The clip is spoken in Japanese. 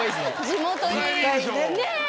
地元にねぇ。